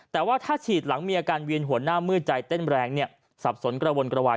แต่ว่าถ้าฉีดหลังมีอาการเวียนหัวหน้ามืดใจเต้นแรงเนี่ยสับสนกระวนกระวาย